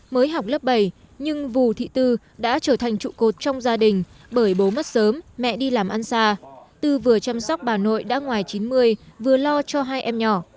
mới học lớp bảy nhưng vũ thị tư đã trở thành trụ cột trong gia đình bởi bố mất sớm mẹ đi làm ăn xa tư vừa chăm sóc bà nội đã ngoài chín mươi vừa lo cho hai em nhỏ